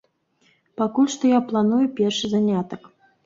Пакуль што я планую першы занятак!